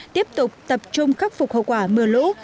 tiếp tục tập trung khắc phục hậu quả mưa lũ